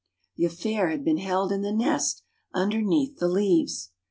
The affair had been held in the nest underneath the leaves.